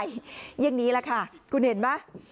อย่างนี้แหละค่ะคุณเห็นไหม